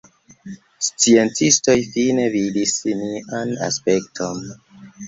Sciencistoj fine vidis nian aspekton.